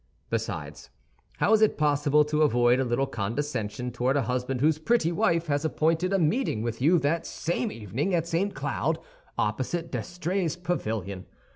Besides, how is it possible to avoid a little condescension toward a husband whose pretty wife has appointed a meeting with you that same evening at St. Cloud, opposite D'Estrées's pavilion?